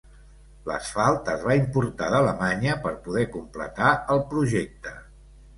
L"asfalt es va importar d"Alemanya per poder completar el projecte.